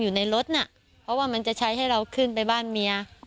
เย็วอลวัดแล้วก็พอเราเห็นของเราก็คุยให้